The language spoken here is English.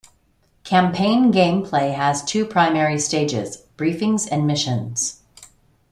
Campaign gameplay has two primary stages, briefings and missions.